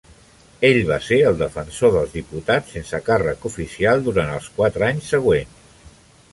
Ell va ser el defensor dels diputats sense càrrec oficial durant els quatre anys següents.